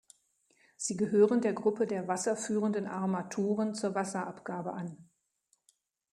Sie gehören der Gruppe der wasserführenden Armaturen zur Wasserabgabe an.